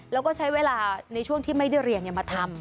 แล้วก็ใช้เวลาในช่วงที่ไม่ได้เรียนมาทำ